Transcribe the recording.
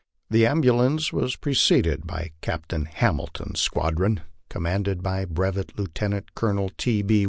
The ambulance was pre ceded by Captain Hamilton's squadron, commanded by Brevet Lieutenant Colonel T. B.